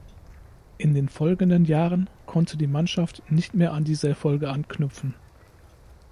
In den folgenden Jahren konnte die Mannschaft nicht mehr an diese Erfolge anknüpfen.